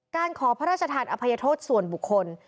ขอพระราชทานอภัยโทษส่วนบุคคล